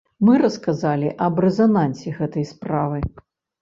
Мы расказалі аб рэзанансе гэтай справы.